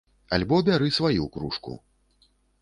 Альбо бяры сваю кружку.